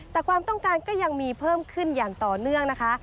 แต่ความต้องการก็ยังมีเพิ่มขึ้นอย่างต่อเนื่องนะคะ